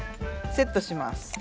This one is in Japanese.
セットします。